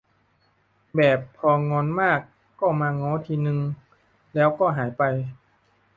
แบบพองอนมากก็มาง้อทีนึง แล้วก็หายไป